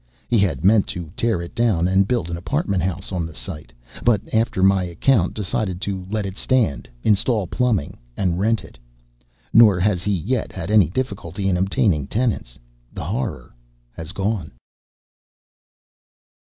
He had meant to tear it down and build an apartment house on the site, but after my account decided to let it stand, install plumbing, and rent it. Nor has he yet had any difficulty in obtaining tenants. The horror has gone.